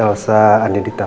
udah udah udah